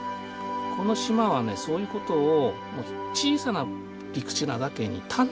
この島はねそういうことを小さな陸地なだけに端的に見せてくれる。